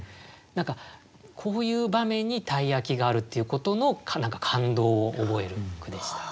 何かこういう場面に鯛焼があるっていうことの感動を覚える句でした。